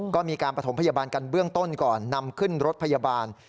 ก็มีการประถมพยาบาลกันเบื้องต้นก่อนนำขึ้นรถพยาบาล